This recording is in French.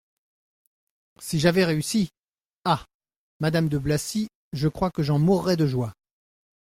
Si j'avais réussi ! Ah ! madame de Blacy, je crois que j'en mourrais de joie.